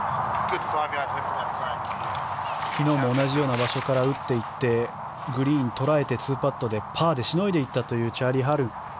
昨日も同じような場所から打っていってグリーン、捉えて２パットでパーでしのいでいったというチャーリー・ハル。